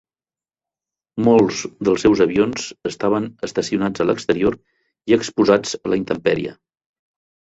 Molts dels seus avions estaven estacionats a l'exterior i exposats a la intempèrie.